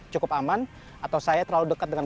cukup aman atau saya terlalu dekat dengan